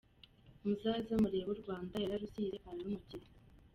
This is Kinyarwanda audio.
Muzaze murebe u Rwanda, yararusize ararunogereza.